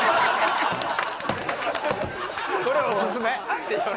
これおすすめ！